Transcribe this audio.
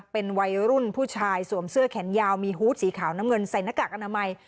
เป็นวัยรุ่นผู้ชายสวมเสื้อแขนยาวมีฮูตสีขาวน้ำเงินใส่หน้ากากอนามัย